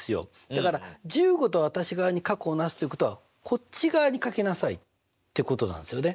だから１５°私側に角をなすということはこっち側に書きなさいってことなんですよね。